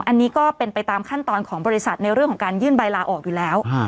อันนี้ก็เป็นไปตามขั้นตอนของบริษัทในเรื่องของการยื่นใบลาออกอยู่แล้ว